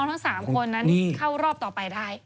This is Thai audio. ทั้ง๓คนนั้นเข้ารอบต่อไปได้